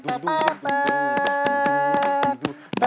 ขอบคุณครับ